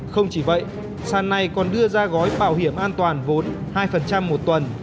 không chỉ vậy sàn này còn đưa ra gói bảo hiểm an toàn vốn hai một tuần